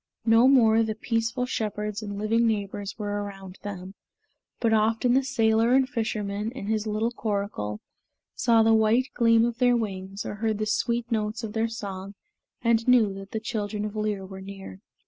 No more the peaceful shepherds and living neighbors were around them; but often the sailor and fisherman, in his little coracle, saw the white gleam of their wings or heard the sweet notes of their song and knew that the children of Lir were near.